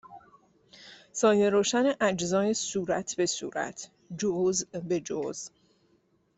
سایه روشن اجزای صورت به صورت جزء به جزء